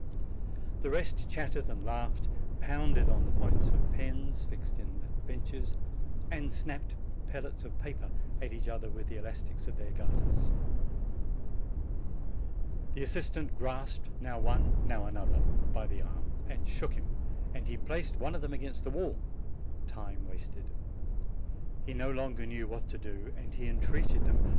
The rest chattered and laughed, pounded on the points of pens fixed in 85 86 JANUARY the benches, and snapped pellets of paper at each other with the elastics of their garters. The assistant grasped now one, now another, by the arm, and shook him; and he placed one of them against the wall time wasted. He no longer knew what to do, and he entreated them.